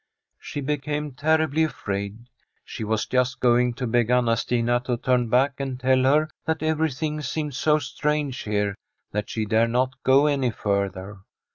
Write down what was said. She became terribly afraid. She was just going to beg Anna Stina to turn back and tell her that everything seemed so strange here that she dare not go any further.